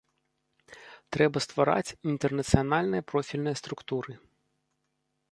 Трэба ствараць інтэрнацыянальныя профільныя структуры.